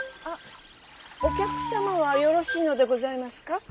あっお客様はよろしいのでございますか？